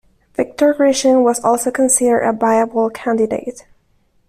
Viktor Grishin was also considered a viable candidate.